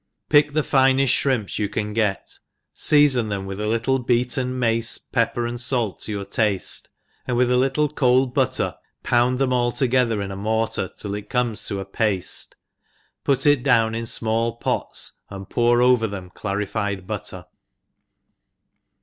PICK the fineft flirimps you can get, feafbn tliem with a little beaten mace, pepper and fait to your tafte, and with a little (:old butter pound them all together in a mortar till it comes to a pafte, put it down in fmall pots, and pour over them clarified butter.